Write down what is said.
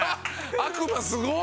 悪魔すごっ！